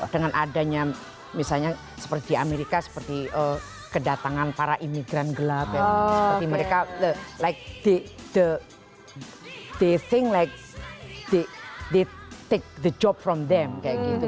dengan adanya misalnya seperti amerika seperti kedatangan para imigran gelap yang seperti mereka like the thisting like thick the job from them kayak gitu